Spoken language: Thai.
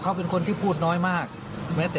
เพราะไม่เคยถามลูกสาวนะว่าไปทำธุรกิจแบบไหนอะไรยังไง